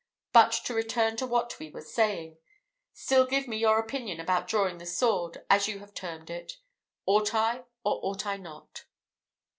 But to return to what we were saying; still give me your opinion about drawing the sword, as you have termed it; ought I, or ought I not?"